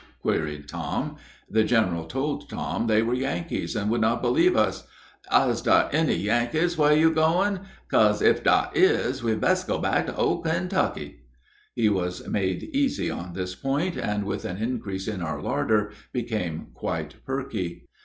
queried Tom. The general told Tom they were Yankees, and would not believe us. "Is dar any Yankees whar you goin'? 'ca'se if dar is, we best go back to old Kentucky." He was made easy on this point, and, with an increase in our larder, became quite perky.